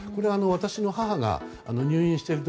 私の母が入院している時